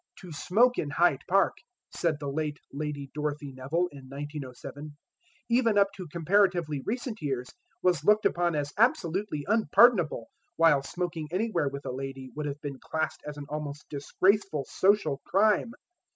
"To smoke in Hyde Park," said the late Lady Dorothy Nevill, in 1907, "even up to comparatively recent years, was looked upon as absolutely unpardonable, while smoking anywhere with a lady would have been classed as an almost disgraceful social crime."